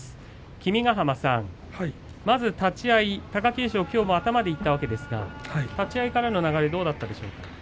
君ヶ濱さん、まず立ち合い貴景勝、きょうも頭からいったわけですが立ち合いからの流れはどうでしたか。